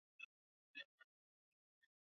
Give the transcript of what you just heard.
Ibita lechu huhara.